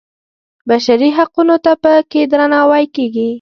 بشري حقونو ته په کې درناوی کېږي.